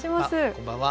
こんばんは。